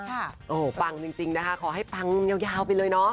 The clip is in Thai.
โอ้โหปังจริงนะคะขอให้ปังยาวไปเลยเนาะ